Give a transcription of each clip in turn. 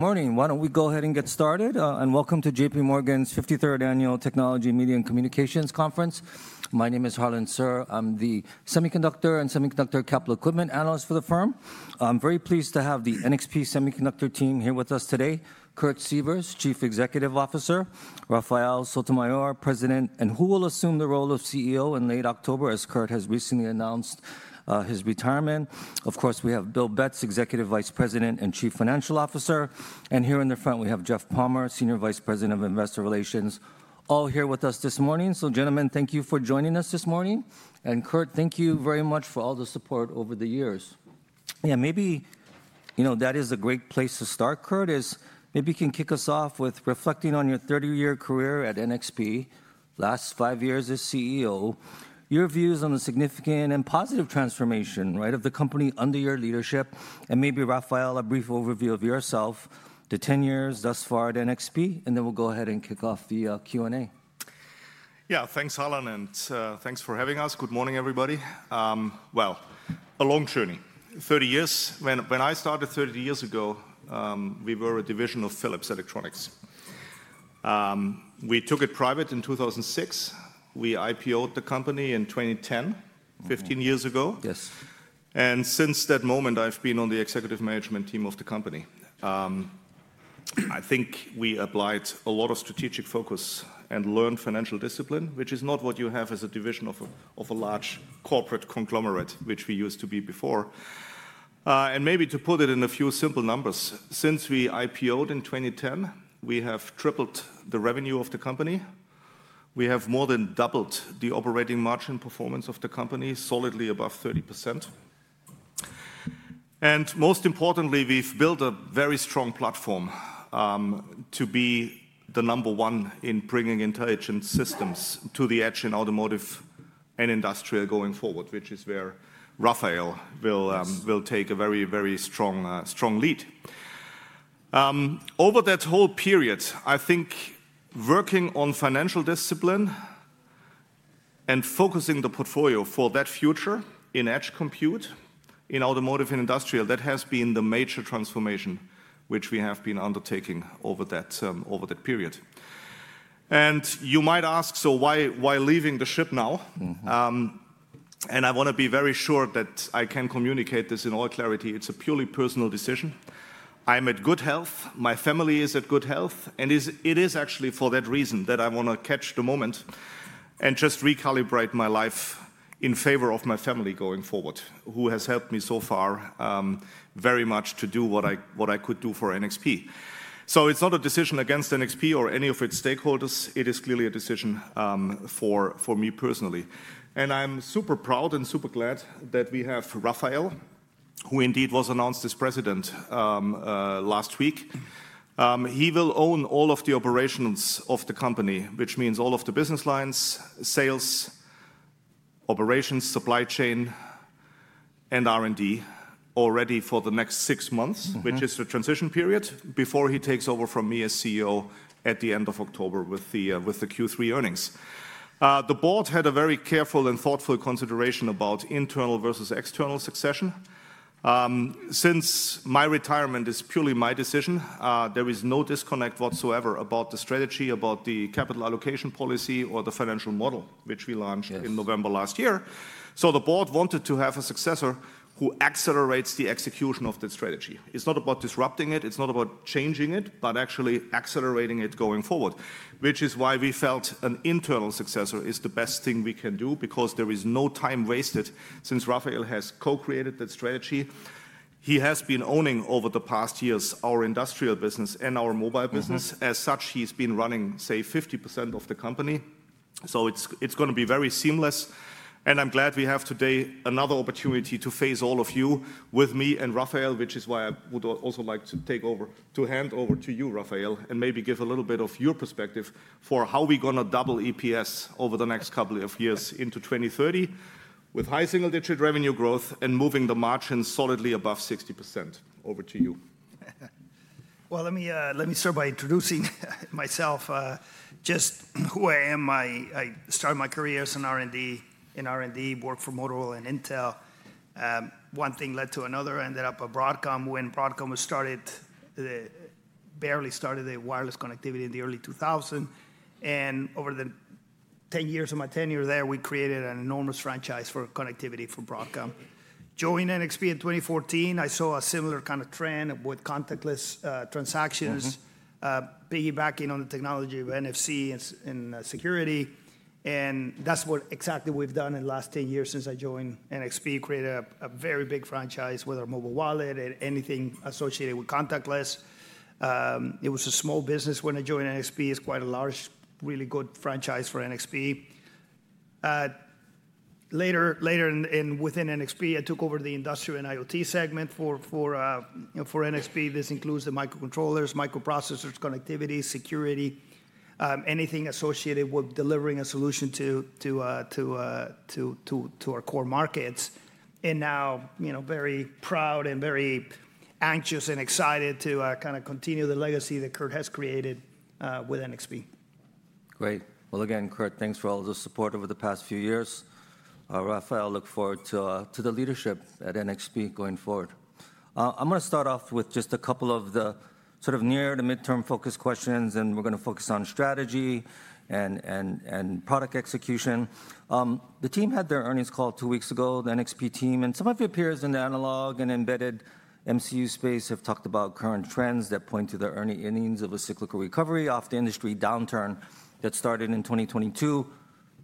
Morning. Why do not we go ahead and get started? Welcome to JPMorgan's 53rd Annual Technology Media and Communications Conference. My name is Harlan Sur. I am the Semiconductor and Semiconductor Capital Equipment Analyst for the firm. I am very pleased to have the NXP Semiconductors team here with us today: Kurt Sievers, Chief Executive Officer; Rafael Sotomayor, President and who will assume the role of CEO in late October, as Kurt has recently announced his retirement. Of course, we have Bill Betz, Executive Vice President and Chief Financial Officer. Here in the front, we have Jeff Palmer, Senior Vice President of Investor Relations, all here with us this morning. Gentlemen, thank you for joining us this morning. Kurt, thank you very much for all the support over the years. Yeah, maybe, you know, that is a great place to start, Kurt, is maybe you can kick us off with reflecting on your 30-year career at NXP, last five years as CEO, your views on the significant and positive transformation, right, of the company under your leadership. Maybe, Rafael, a brief overview of yourself, the 10 years thus far at NXP, and then we'll go ahead and kick off the Q&A. Yeah, thanks, Harlan, and thanks for having us. Good morning, everybody. A long journey. Thirty years. When I started thirty years ago, we were a division of Philips Electronics. We took it private in 2006. We IPO'd the company in 2010, 15 years ago. Yes. Since that moment, I've been on the executive management team of the company. I think we applied a lot of strategic focus and learned financial discipline, which is not what you have as a division of a large corporate conglomerate, which we used to be before. Maybe to put it in a few simple numbers, since we IPO'd in 2010, we have tripled the revenue of the company. We have more than doubled the operating margin performance of the company, solidly above 30%. Most importantly, we've built a very strong platform to be the number one in bringing intelligence systems to the edge in automotive and industrial going forward, which is where Rafael will take a very, very strong lead. Over that whole period, I think working on financial discipline and focusing the portfolio for that future in edge compute, in automotive, in industrial, that has been the major transformation which we have been undertaking over that period. You might ask, so why leaving the ship now? I want to be very sure that I can communicate this in all clarity. It's a purely personal decision. I'm at good health. My family is at good health. It is actually for that reason that I want to catch the moment and just recalibrate my life in favor of my family going forward, who has helped me so far very much to do what I could do for NXP. It's not a decision against NXP or any of its stakeholders. It is clearly a decision for me personally. I'm super proud and super glad that we have Rafael, who indeed was announced as President last week. He will own all of the operations of the company, which means all of the business lines, sales, operations, supply chain, and R&D already for the next six months, which is the transition period before he takes over from me as CEO at the end of October with the Q3 earnings. The board had a very careful and thoughtful consideration about internal versus external succession. Since my retirement is purely my decision, there is no disconnect whatsoever about the strategy, about the capital allocation policy, or the financial model, which we launched in November last year. The board wanted to have a successor who accelerates the execution of that strategy. It's not about disrupting it. It's not about changing it, but actually accelerating it going forward, which is why we felt an internal successor is the best thing we can do, because there is no time wasted. Since Rafael has co-created that strategy, he has been owning over the past years our industrial business and our mobile business. As such, he's been running, say, 50% of the company. It is going to be very seamless. I am glad we have today another opportunity to face all of you with me and Rafael, which is why I would also like to hand over to you, Rafael, and maybe give a little bit of your perspective for how we're going to double EPS over the next couple of years into 2030 with high single-digit revenue growth and moving the margin solidly above 60%. Over to you. Let me start by introducing myself, just who I am. I started my career as an R&D in R&D, worked for Motorola and Intel. One thing led to another. I ended up at Broadcom when Broadcom barely started the wireless connectivity in the early 2000s. Over the 10 years of my tenure there, we created an enormous franchise for connectivity for Broadcom. Joining NXP in 2014, I saw a similar kind of trend with contactless transactions, piggybacking on the technology of NFC and security. That is exactly what we have done in the last 10 years since I joined NXP. Created a very big franchise with our mobile wallet and anything associated with contactless. It was a small business when I joined NXP. It is quite a large, really good franchise for NXP. Later and within NXP, I took over the industrial and IoT segment for NXP. This includes the microcontrollers, microprocessors, connectivity, security, anything associated with delivering a solution to our core markets. I am now very proud and very anxious and excited to kind of continue the legacy that Kurt has created with NXP. Great. Again, Kurt, thanks for all the support over the past few years. Rafael, I look forward to the leadership at NXP going forward. I'm going to start off with just a couple of the sort of near to midterm focus questions, and we're going to focus on strategy and product execution. The team had their earnings call two weeks ago, the NXP team. Some of your peers in the analog and embedded MCU space have talked about current trends that point to the ending of a cyclical recovery after an industry downturn that started in 2022,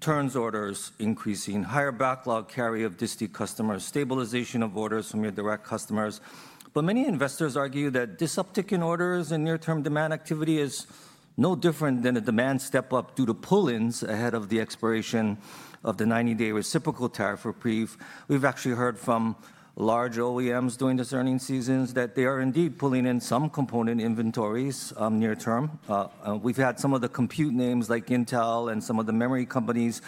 turns orders increasing, higher backlog carry of distant customers, stabilization of orders from your direct customers. Many investors argue that this uptick in orders and near-term demand activity is no different than a demand step up due to pull-ins ahead of the expiration of thef 90-day reciprocal tariff reprieve. We've actually heard from large OEMs during this earnings season that they are indeed pulling in some component inventories near term. We've had some of the compute names like Intel and some of the memory companies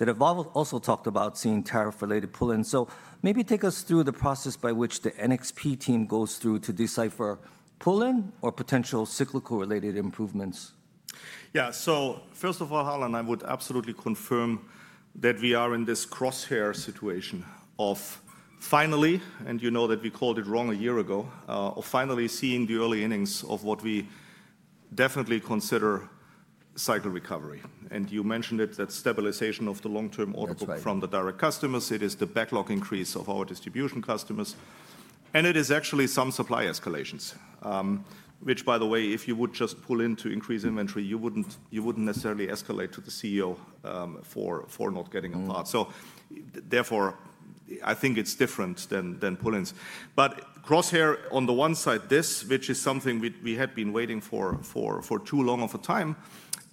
that have also talked about seeing tariff-related pull-ins. Maybe take us through the process by which the NXP team goes through to decipher pull-in or potential cyclical-related improvements. Yeah, so first of all, Harlan, I would absolutely confirm that we are in this crosshair situation of finally, and you know that we called it wrong a year ago, of finally seeing the early innings of what we definitely consider cycle recovery. You mentioned it, that stabilization of the long-term order book from the direct customers. It is the backlog increase of our distribution customers. It is actually some supply escalations, which, by the way, if you would just pull in to increase inventory, you would not necessarily escalate to the CEO for not getting a part. Therefore, I think it is different than pull-ins. Crosshair on the one side, this, which is something we had been waiting for too long of a time,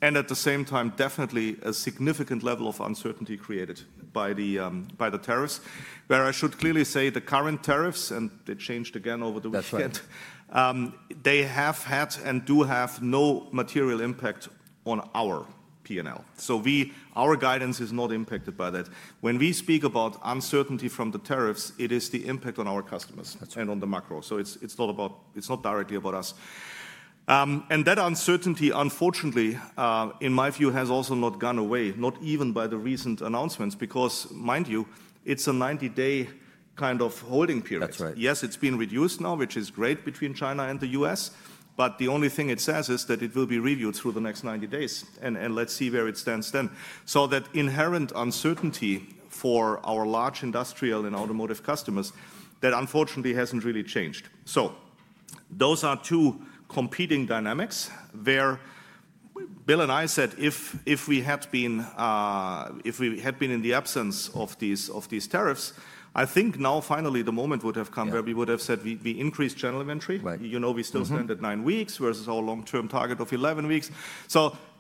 and at the same time, definitely a significant level of uncertainty created by the tariffs, where I should clearly say the current tariffs, and they changed again over the weekend, they have had and do have no material impact on our P&L. Our guidance is not impacted by that. When we speak about uncertainty from the tariffs, it is the impact on our customers and on the macro. It is not directly about us. That uncertainty, unfortunately, in my view, has also not gone away, not even by the recent announcements, because, mind you, it is a 90-day kind of holding period. That's right. Yes, it's been reduced now, which is great between China and the U.S. The only thing it says is that it will be reviewed through the next 90 days, and let's see where it stands then. That inherent uncertainty for our large industrial and automotive customers, that unfortunately hasn't really changed. Those are two competing dynamics where Bill and I said if we had been in the absence of these tariffs, I think now finally the moment would have come where we would have said we increased general inventory. You know, we still spend at nine weeks versus our long-term target of 11 weeks.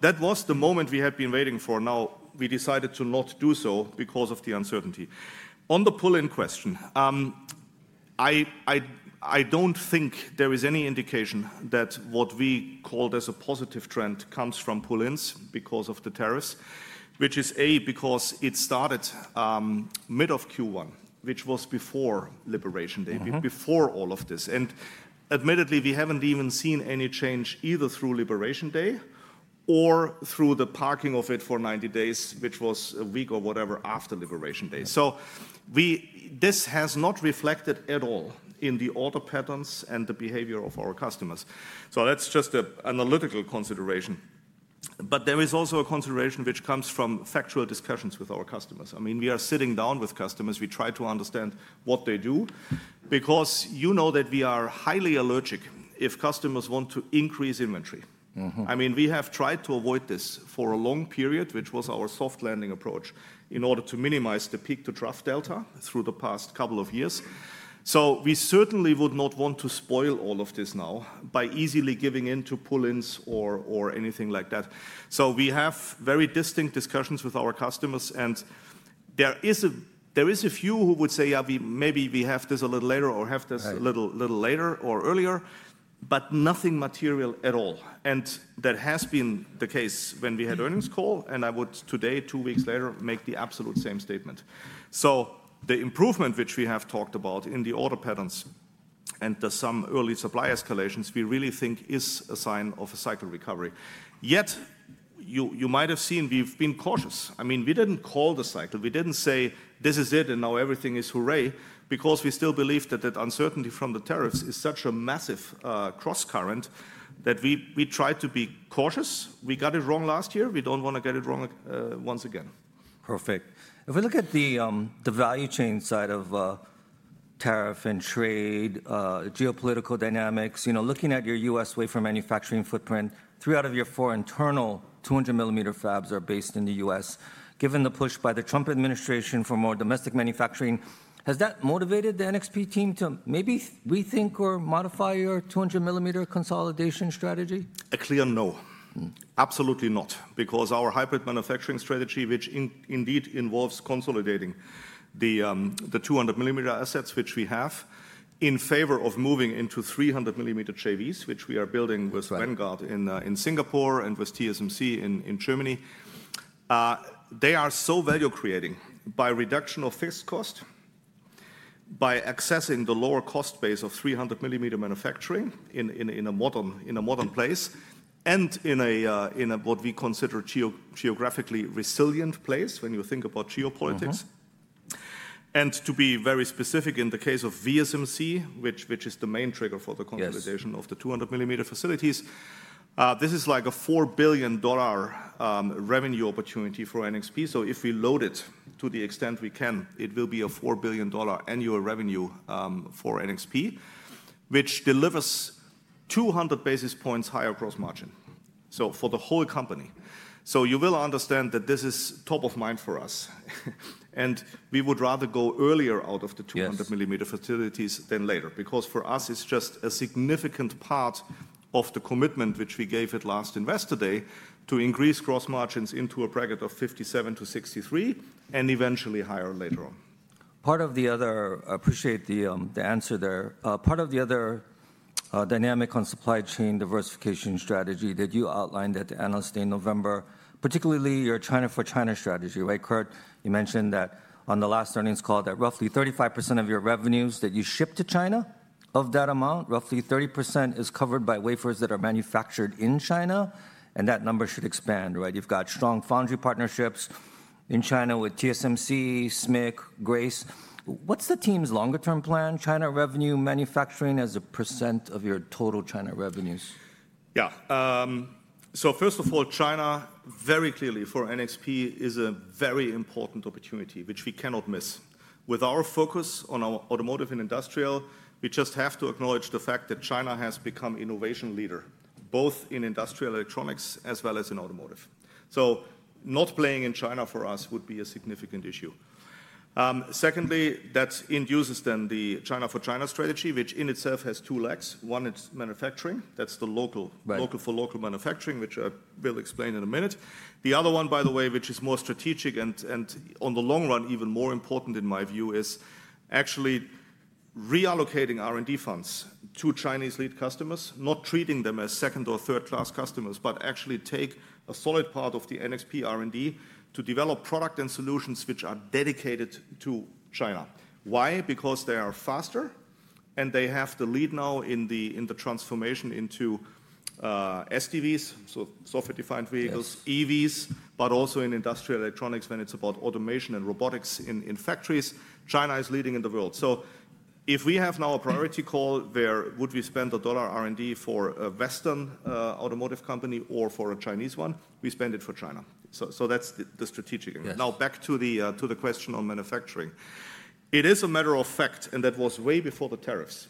That was the moment we had been waiting for. Now we decided to not do so because of the uncertainty. On the pull-in question, I do not think there is any indication that what we called as a positive trend comes from pull-ins because of the tariffs, which is A, because it started mid of Q1, which was before Liberation Day, before all of this. Admittedly, we have not even seen any change either through Liberation Day or through the parking of it for 90 days, which was a week or whatever after Liberation Day. This has not reflected at all in the order patterns and the behavior of our customers. That is just an analytical consideration. There is also a consideration which comes from factual discussions with our customers. I mean, we are sitting down with customers. We try to understand what they do, because you know that we are highly allergic if customers want to increase inventory. I mean, we have tried to avoid this for a long period, which was our soft landing approach in order to minimize the peak to draft Delta through the past couple of years. We certainly would not want to spoil all of this now by easily giving in to pull-ins or anything like that. We have very distinct discussions with our customers. There are a few who would say, yeah, maybe we have this a little later or have this a little later or earlier, but nothing material at all. That has been the case when we had the earnings call. I would today, two weeks later, make the absolute same statement. The improvement which we have talked about in the order patterns and some early supply escalations, we really think is a sign of a cycle recovery. Yet you might have seen we've been cautious. I mean, we didn't call the cycle. We didn't say, this is it, and now everything is hooray, because we still believe that that uncertainty from the tariffs is such a massive cross current that we tried to be cautious. We got it wrong last year. We don't want to get it wrong once again. Perfect. If we look at the value chain side of tariff and trade, geopolitical dynamics, looking at your U.S. wafer manufacturing footprint, three out of your four internal 200-millimeter fabs are based in the U.S. Given the push by the Trump administration for more domestic manufacturing, has that motivated the NXP team to maybe rethink or modify your 200-millimeter consolidation strategy? A clear no. Absolutely not, because our hybrid manufacturing strategy, which indeed involves consolidating the 200-millimeter assets which we have in favor of moving into 300-millimeter JVs, which we are building with Vanguard in Singapore and with TSMC in Germany, they are so value-creating by reduction of fixed cost, by accessing the lower cost base of 300-millimeter manufacturing in a modern place and in what we consider geographically resilient place when you think about geopolitics. To be very specific, in the case of VSMC, which is the main trigger for the consolidation of the 200-millimeter facilities, this is like a $4 billion revenue opportunity for NXP. If we load it to the extent we can, it will be a $4 billion annual revenue for NXP, which delivers 200 basis points higher gross margin for the whole company. You will understand that this is top of mind for us. We would rather go earlier out of the 200-millimeter facilities than later, because for us, it is just a significant part of the commitment which we gave at last Investor Day to increase gross margins into a bracket of 57%-63% and eventually higher later on. Part of the other, I appreciate the answer there. Part of the other dynamic on supply chain diversification strategy that you outlined at the annual stay in November, particularly your China for China strategy, right, Kurt? You mentioned that on the last earnings call that roughly 35% of your revenues that you ship to China, of that amount, roughly 30% is covered by wafers that are manufactured in China. And that number should expand, right? You've got strong foundry partnerships in China with TSMC, SMIC, Grace. What's the team's longer-term plan? China revenue manufacturing as a percent of your total China revenues? Yeah. First of all, China, very clearly for NXP, is a very important opportunity which we cannot miss. With our focus on our automotive and industrial, we just have to acknowledge the fact that China has become innovation leader, both in industrial electronics as well as in automotive. Not playing in China for us would be a significant issue. Secondly, that induces then the China for China strategy, which in itself has two legs. One is manufacturing. That is the local for local manufacturing, which I will explain in a minute. The other one, by the way, which is more strategic and in the long run even more important in my view, is actually reallocating R&D funds to Chinese lead customers, not treating them as second or third-class customers, but actually take a solid part of the NXP R&D to develop product and solutions which are dedicated to China. Why? Because they are faster and they have the lead now in the transformation into SDVs, so software-defined vehicles, EVs, but also in industrial electronics when it's about automation and robotics in factories. China is leading in the world. If we have now a priority call where would we spend a dollar R&D for a Western automotive company or for a Chinese one, we spend it for China. That's the strategic. Now back to the question on manufacturing. It is a matter of fact, and that was way before the tariffs.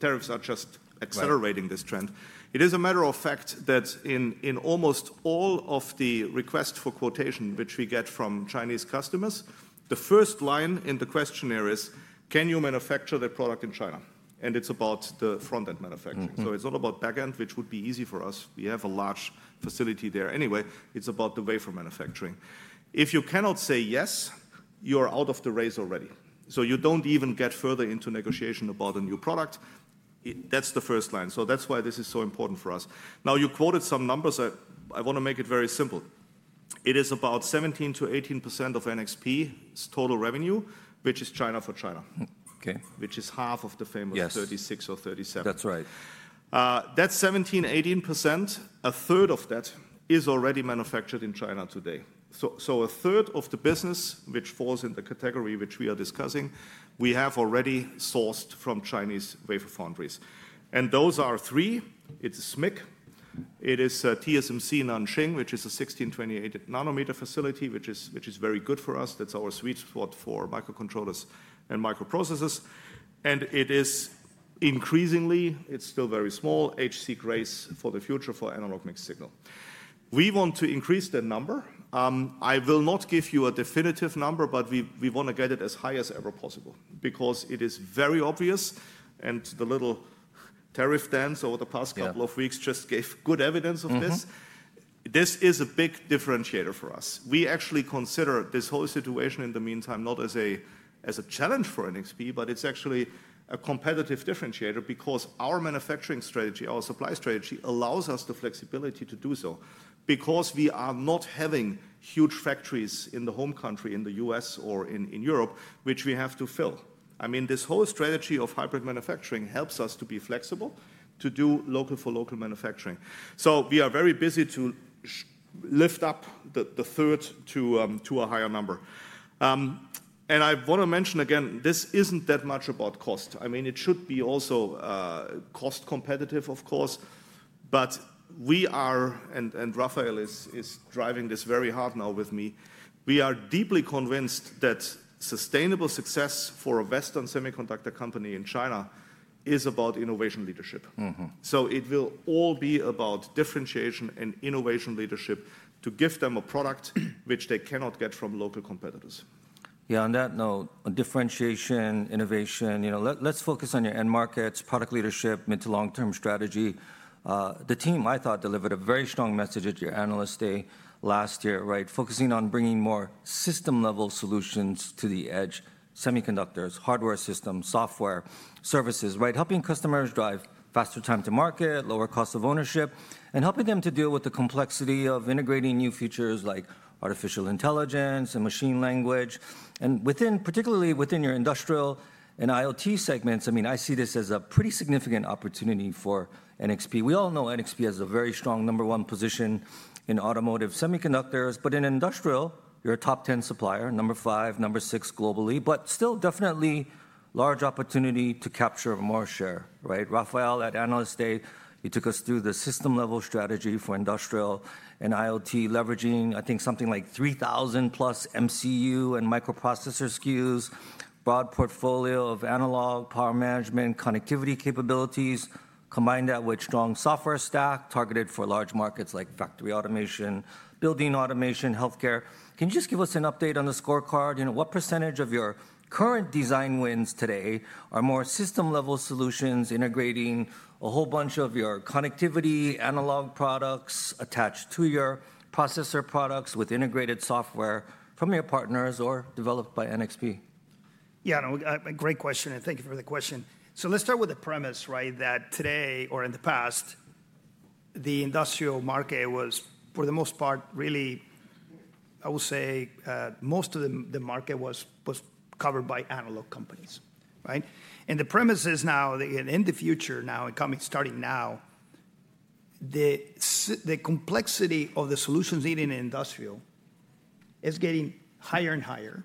Tariffs are just accelerating this trend. It is a matter of fact that in almost all of the requests for quotation which we get from Chinese customers, the first line in the questionnaire is, can you manufacture the product in China? It's about the front-end manufacturing. It is not about back-end, which would be easy for us. We have a large facility there anyway. It is about the wafer manufacturing. If you cannot say yes, you are out of the race already. You do not even get further into negotiation about a new product. That is the first line. That is why this is so important for us. Now you quoted some numbers. I want to make it very simple. It is about 17%-18% of NXP's total revenue, which is China for China, which is half of the famous 36%-37%. That's right. That 17%, 18%, a third of that is already manufactured in China today. A third of the business, which falls in the category which we are discussing, we have already sourced from Chinese wafer foundries. Those are three. It is SMIC. It is TSMC Nanshan, which is a 16-28 nanometer facility, which is very good for us. That is our sweet spot for microcontrollers and microprocessors. It is increasingly, it is still very small, HC Grace for the future for analog mix signal. We want to increase the number. I will not give you a definitive number, but we want to get it as high as ever possible, because it is very obvious. The little tariff dance over the past couple of weeks just gave good evidence of this. This is a big differentiator for us. We actually consider this whole situation in the meantime not as a challenge for NXP, but it's actually a competitive differentiator, because our manufacturing strategy, our supply strategy allows us the flexibility to do so, because we are not having huge factories in the home country, in the U.S. or in Europe, which we have to fill. I mean, this whole strategy of hybrid manufacturing helps us to be flexible, to do local for local manufacturing. We are very busy to lift up the third to a higher number. I want to mention again, this isn't that much about cost. I mean, it should be also cost competitive, of course. We are, and Rafael is driving this very hard now with me. We are deeply convinced that sustainable success for a Western semiconductor company in China is about innovation leadership. It will all be about differentiation and innovation leadership to give them a product which they cannot get from local competitors. Yeah. On that note, differentiation, innovation, let's focus on your end markets, product leadership, mid to long-term strategy. The team, I thought, delivered a very strong message at your annual stay last year, right, focusing on bringing more system-level solutions to the edge, semiconductors, hardware systems, software services, right, helping customers drive faster time to market, lower cost of ownership, and helping them to deal with the complexity of integrating new features like artificial intelligence and machine language. Particularly within your industrial and IoT segments, I mean, I see this as a pretty significant opportunity for NXP. We all know NXP has a very strong number one position in automotive semiconductors. In industrial, you're a top 10 supplier, number five, number six globally, but still definitely large opportunity to capture more share, right? Rafael, at annual stay, you took us through the system-level strategy for industrial and IoT, leveraging, I think, something like 3,000 plus MCU and microprocessor SKUs, broad portfolio of analog power management, connectivity capabilities, combined that with strong software stack targeted for large markets like factory automation, building automation, healthcare. Can you just give us an update on the scorecard? What percentage of your current design wins today are more system-level solutions integrating a whole bunch of your connectivity analog products attached to your processor products with integrated software from your partners or developed by NXP? Yeah. Great question. Thank you for the question. Let's start with the premise, right, that today or in the past, the industrial market was, for the most part, really, I will say, most of the market was covered by analog companies, right? The premise is now, in the future now, starting now, the complexity of the solutions needed in industrial is getting higher and higher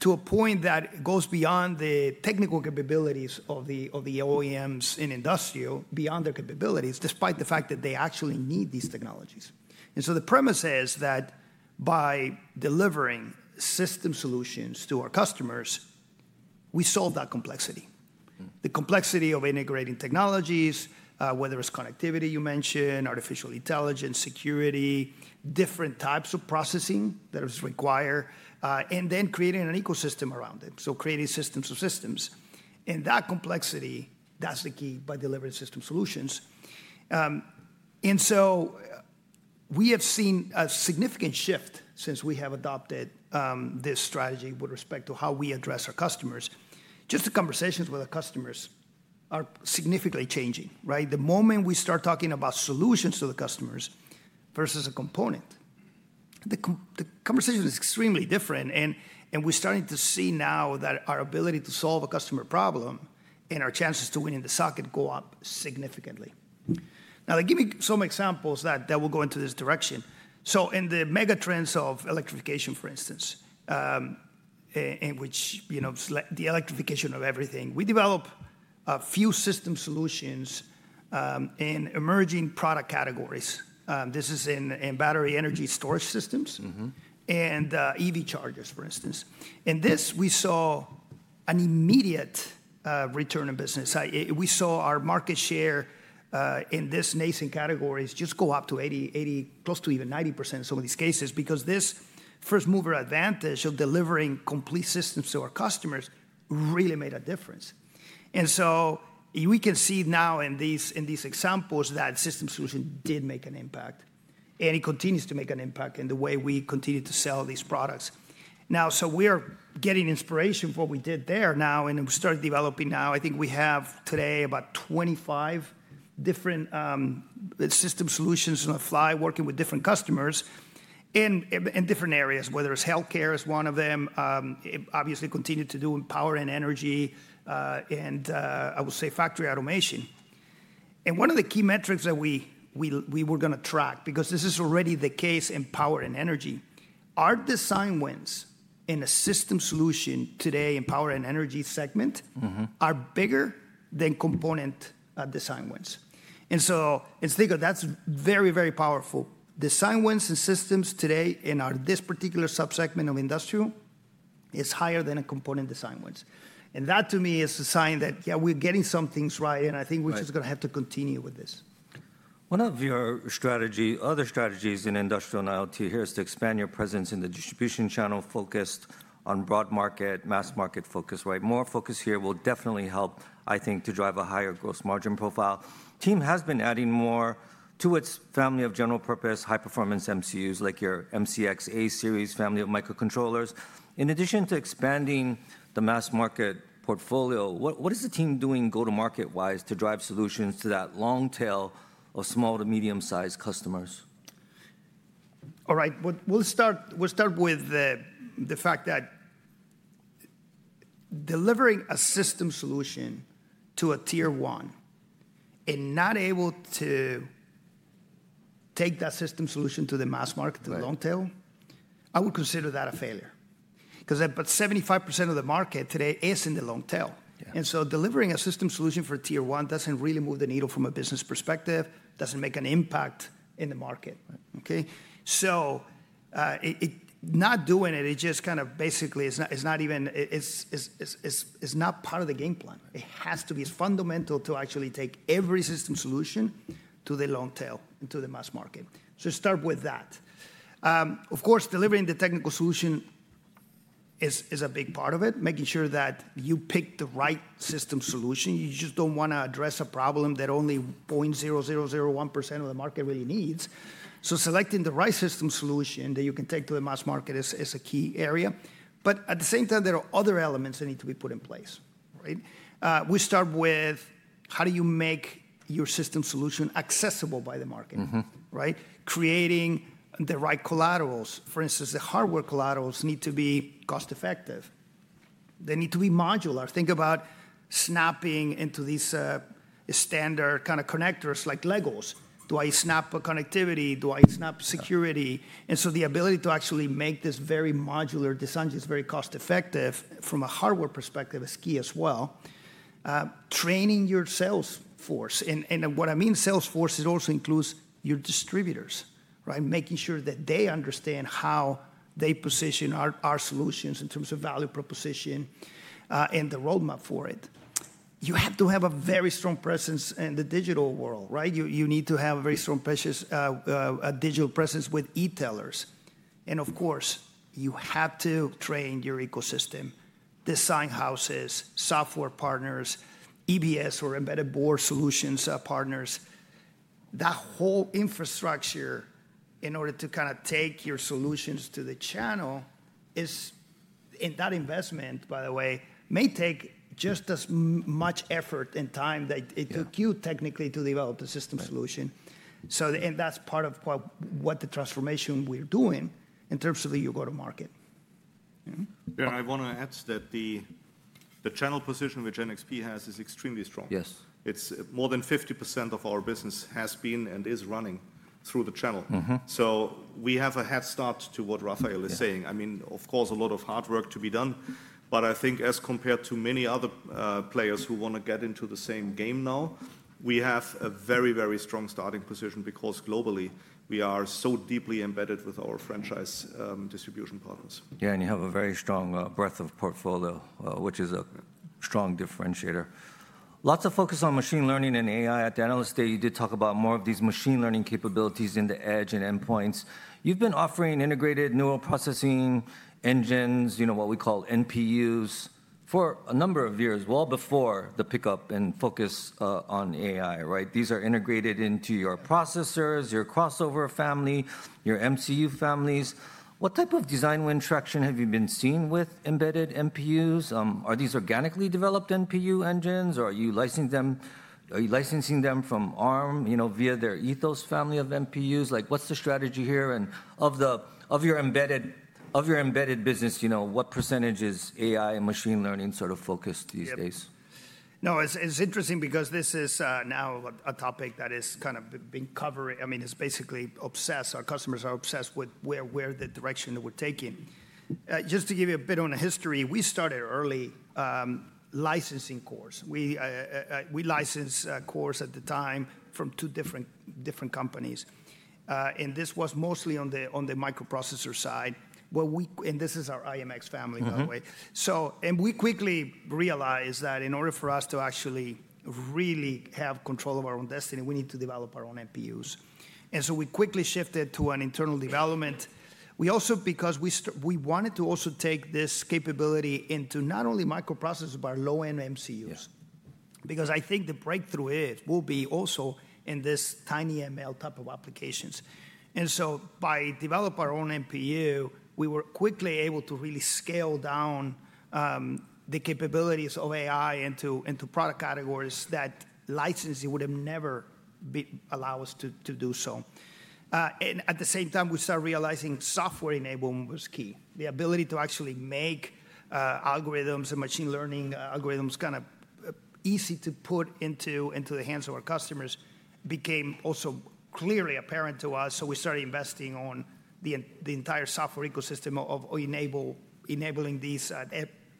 to a point that goes beyond the technical capabilities of the OEMs in industrial, beyond their capabilities, despite the fact that they actually need these technologies. The premise is that by delivering system solutions to our customers, we solve that complexity, the complexity of integrating technologies, whether it's connectivity you mentioned, artificial intelligence, security, different types of processing that is required, and then creating an ecosystem around it, creating systems of systems. That complexity, that's the key by delivering system solutions. We have seen a significant shift since we have adopted this strategy with respect to how we address our customers. Just the conversations with our customers are significantly changing, right? The moment we start talking about solutions to the customers versus a component, the conversation is extremely different. We're starting to see now that our ability to solve a customer problem and our chances to win in the socket go up significantly. Give me some examples that will go into this direction. In the megatrends of electrification, for instance, in which the electrification of everything, we develop a few system solutions in emerging product categories. This is in battery energy storage systems and EV chargers, for instance. In this, we saw an immediate return on business. We saw our market share in these nascent categories just go up to 80%, close to even 90% in some of these cases, because this first-mover advantage of delivering complete systems to our customers really made a difference. We can see now in these examples that system solution did make an impact. It continues to make an impact in the way we continue to sell these products. We are getting inspiration for what we did there now, and we started developing now. I think we have today about 25 different system solutions on the fly, working with different customers in different areas, whether it's healthcare is one of them, obviously continue to do power and energy, and I will say factory automation. One of the key metrics that we were going to track, because this is already the case in power and energy, our design wins in a system solution today in the power and energy segment are bigger than component design wins. Think of that as very, very powerful. Design wins in systems today in this particular subsegment of industrial is higher than component design wins. That to me is a sign that, yeah, we're getting some things right. I think we're just going to have to continue with this. One of your other strategies in industrial and IoT here is to expand your presence in the distribution channel focused on broad market, mass market focus, right? More focus here will definitely help, I think, to drive a higher gross margin profile. Team has been adding more to its family of general purpose high-performance MCUs like your MCX A series family of microcontrollers. In addition to expanding the mass market portfolio, what is the team doing go-to-market-wise to drive solutions to that long tail of small to medium-sized customers? All right. We'll start with the fact that delivering a system solution to a tier one and not able to take that system solution to the mass market, to the long tail, I would consider that a failure. Because about 75% of the market today is in the long tail. Delivering a system solution for tier one does not really move the needle from a business perspective, does not make an impact in the market, okay? Not doing it, it just kind of basically is not even part of the game plan. It has to be fundamental to actually take every system solution to the long tail and to the mass market. Start with that. Of course, delivering the technical solution is a big part of it, making sure that you pick the right system solution. You just do not want to address a problem that only 0.0001% of the market really needs. Selecting the right system solution that you can take to the mass market is a key area. At the same time, there are other elements that need to be put in place, right? We start with how do you make your system solution accessible by the market, right? Creating the right collaterals. For instance, the hardware collaterals need to be cost-effective. They need to be modular. Think about snapping into these standard kind of connectors like Legos. Do I snap a connectivity? Do I snap security? The ability to actually make this very modular design is very cost-effective from a hardware perspective is key as well. Training your sales force. What I mean by sales force also includes your distributors, right? Making sure that they understand how they position our solutions in terms of value proposition and the roadmap for it. You have to have a very strong presence in the digital world, right? You need to have a very strong digital presence with e-tailers. You have to train your ecosystem, design houses, software partners, EBS or embedded board solutions partners. That whole infrastructure in order to kind of take your solutions to the channel is, and that investment, by the way, may take just as much effort and time that it took you technically to develop the system solution. That is part of what the transformation we are doing in terms of the go-to-market. Yeah. I want to add that the channel position which NXP has is extremely strong. It's more than 50% of our business has been and is running through the channel. We have a head start to what Rafael is saying. I mean, of course, a lot of hard work to be done. I think as compared to many other players who want to get into the same game now, we have a very, very strong starting position because globally we are so deeply embedded with our franchise distribution partners. Yeah. You have a very strong breadth of portfolio, which is a strong differentiator. Lots of focus on machine learning and AI. At the annual stay, you did talk about more of these machine learning capabilities in the edge and endpoints. You've been offering integrated neural processing engines, what we call NPUs, for a number of years, well before the pickup and focus on AI, right? These are integrated into your processors, your crossover family, your MCU families. What type of design win traction have you been seeing with embedded NPUs? Are these organically developed NPU engines? Are you licensing them from ARM via their Ethos family of NPUs? What is the strategy here? Of your embedded business, what % is AI and machine learning sort of focused these days? No. It's interesting because this is now a topic that is kind of being covered. I mean, it's basically obsessed. Our customers are obsessed with where the direction that we're taking. Just to give you a bit on the history, we started early licensing cores. We licensed cores at the time from two different companies. And this was mostly on the microprocessor side. And this is our i.MX family, by the way. We quickly realized that in order for us to actually really have control of our own destiny, we need to develop our own NPUs. We quickly shifted to an internal development. We also, because we wanted to also take this capability into not only microprocessors, but our low-end MCUs. I think the breakthrough will be also in this tiny ML type of applications. By developing our own NPU, we were quickly able to really scale down the capabilities of AI into product categories that licensing would have never allowed us to do so. At the same time, we started realizing software enablement was key. The ability to actually make algorithms and machine learning algorithms kind of easy to put into the hands of our customers became also clearly apparent to us. We started investing on the entire software ecosystem of enabling these.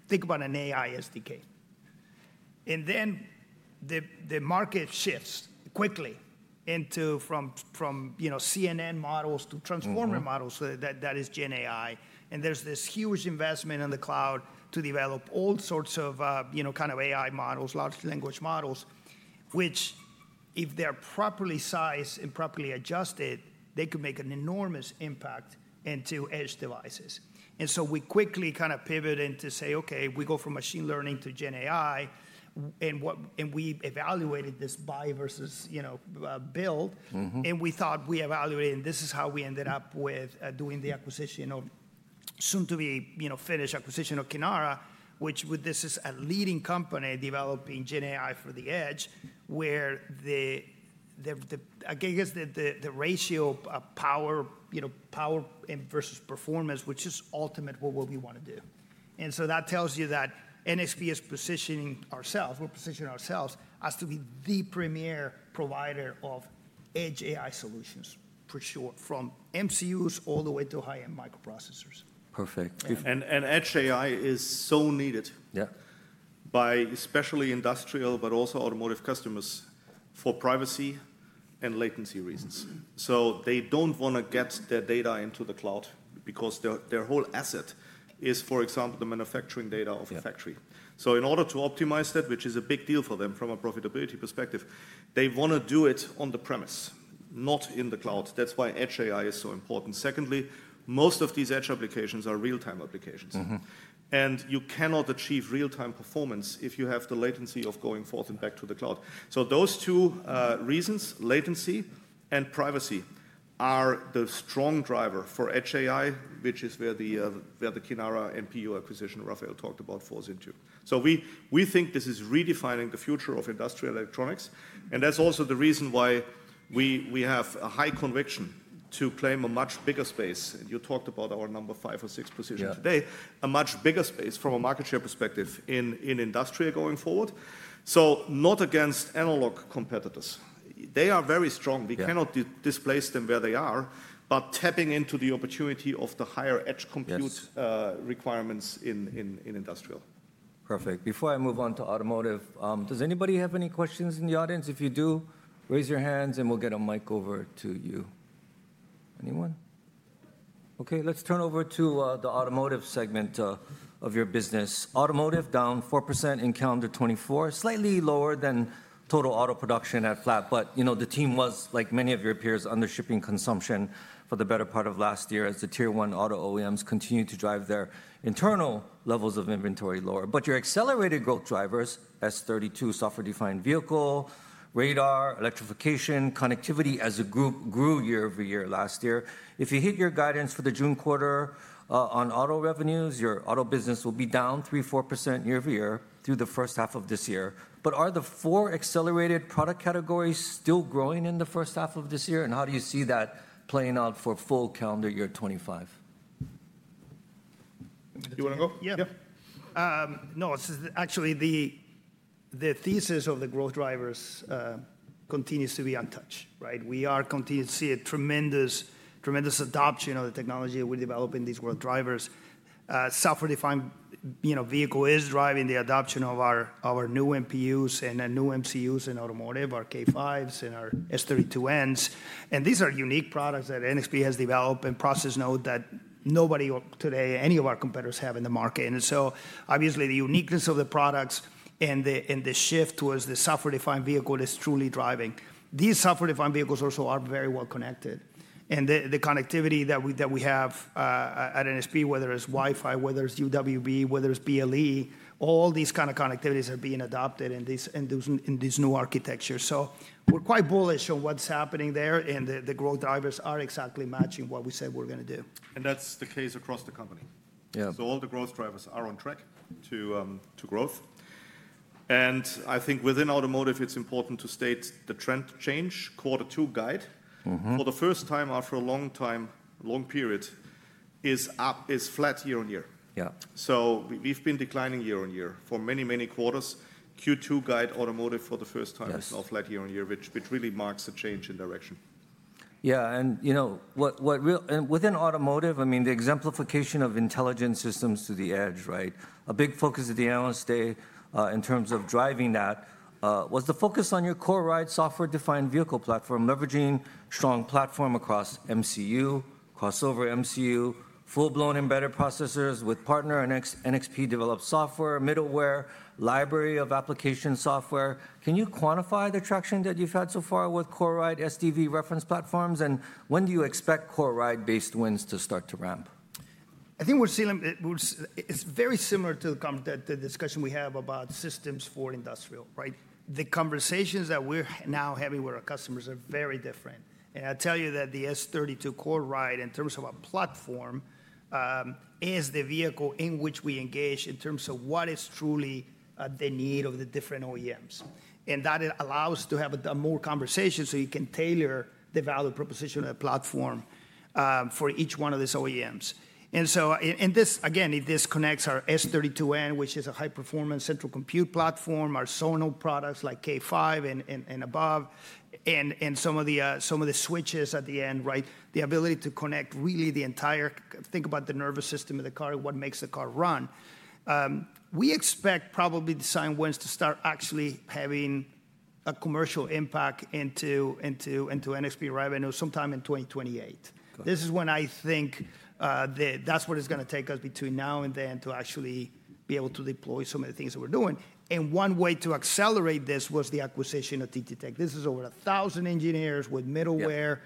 Think about an AI SDK. The market shifts quickly from CNN models to transformer models that is GenAI. There is this huge investment in the cloud to develop all sorts of kind of AI models, large language models, which if they're properly sized and properly adjusted, they could make an enormous impact into edge devices. We quickly kind of pivoted to say, OK, we go from machine learning to GenAI. We evaluated this buy versus build. We thought we evaluated, and this is how we ended up with doing the acquisition of soon-to-be finished acquisition of Kinara, which this is a leading company developing GenAI for the edge, where I guess the ratio of power versus performance, which is ultimate what we want to do. That tells you that NXP is positioning ourselves, we're positioning ourselves as to be the premier provider of edge AI solutions for sure, from MCUs all the way to high-end microprocessors. Perfect. Edge AI is so needed by especially industrial, but also automotive customers for privacy and latency reasons. They do not want to get their data into the cloud because their whole asset is, for example, the manufacturing data of a factory. In order to optimize that, which is a big deal for them from a profitability perspective, they want to do it on the premise, not in the cloud. That is why edge AI is so important. Secondly, most of these edge applications are real-time applications. You cannot achieve real-time performance if you have the latency of going forth and back to the cloud. Those two reasons, latency and privacy, are the strong driver for edge AI, which is where the Kinara NPU acquisition Rafael talked about falls into. We think this is redefining the future of industrial electronics. That is also the reason why we have a high conviction to claim a much bigger space. You talked about our number five or six position today, a much bigger space from a market share perspective in industry going forward. Not against analog competitors. They are very strong. We cannot displace them where they are, but tapping into the opportunity of the higher edge compute requirements in industrial. Perfect. Before I move on to automotive, does anybody have any questions in the audience? If you do, raise your hands and we will get a mic over to you. Anyone? OK, let's turn over to the automotive segment of your business. Automotive down 4% in calendar 2024, slightly lower than total auto production at flat. The team was, like many of your peers, under shipping consumption for the better part of last year as the tier one auto OEMs continued to drive their internal levels of inventory lower. Your accelerated growth drivers, S32 software-defined vehicle, radar, electrification, connectivity as a group grew year-over-year last year. If you hit your guidance for the June quarter on auto revenues, your auto business will be down 3%-4% year-over-year through the first half of this year. Are the four accelerated product categories still growing in the first half of this year? How do you see that playing out for full calendar year 2025? Do you want to go? Yeah. No. Actually, the thesis of the growth drivers continues to be untouched, right? We continue to see a tremendous adoption of the technology that we're developing, these growth drivers. Software-defined vehicle is driving the adoption of our new NPUs and new MCUs in automotive, our K5s and our S32Ns. These are unique products that NXP has developed and processed, know that nobody today, any of our competitors have in the market. Obviously, the uniqueness of the products and the shift towards the software-defined vehicle is truly driving. These software-defined vehicles also are very well connected. The connectivity that we have at NXP, whether it's Wi-Fi, whether it's UWB, whether it's BLE, all these kind of connectivities are being adopted in these new architectures. We are quite bullish on what's happening there. The growth drivers are exactly matching what we said we're going to do. That's the case across the company. All the growth drivers are on track to growth. I think within automotive, it's important to state the trend change. Quarter two guide, for the first time after a long period, is flat year on year. We've been declining year on year for many, many quarters. Q2 guide automotive for the first time is now flat year on year, which really marks a change in direction. Yeah. Within automotive, I mean, the exemplification of intelligent systems to the edge, right? A big focus at the annual stay in terms of driving that was the focus on your CoreRide software-defined vehicle platform, leveraging strong platform across MCU, crossover MCU, full-blown embedded processors with partner NXP developed software, middleware library of application software. Can you quantify the traction that you've had so far with CoreRide SDV reference platforms? When do you expect CoreRide-based wins to start to ramp? I think we're seeing it's very similar to the discussion we have about systems for industrial, right? The conversations that we're now having with our customers are very different. I'll tell you that the S32 CoreRide in terms of a platform is the vehicle in which we engage in terms of what is truly the need of the different OEMs. That allows us to have a more conversation so you can tailor the value proposition of the platform for each one of these OEMs. It disconnects our S32N, which is a high-performance central compute platform, our Sonos products like K5 and above, and some of the switches at the end, right? The ability to connect really the entire think about the nervous system of the car, what makes the car run. We expect probably design wins to start actually having a commercial impact into NXP revenue sometime in 2028. This is when I think that's what it's going to take us between now and then to actually be able to deploy some of the things that we're doing. One way to accelerate this was the acquisition of TTTech. This is over 1,000 engineers with middleware,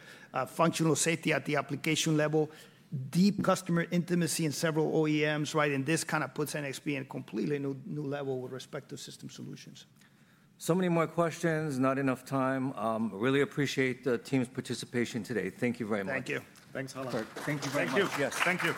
functional safety at the application level, deep customer intimacy in several OEMs, right? This kind of puts NXP in a completely new level with respect to system solutions. So many more questions. Not enough time. Really appreciate the team's participation today. Thank you very much. Thank you. Thanks, Harlan. Thank you very much. Thank you. Yes. Thank you.